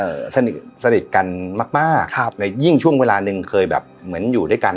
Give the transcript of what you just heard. สนิทสนิทกันมากมากครับในยิ่งช่วงเวลาหนึ่งเคยแบบเหมือนอยู่ด้วยกัน